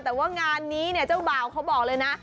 แต่ว่างานนี้เนี่ยเจ้าบ่าวเขาบอกเลยนะ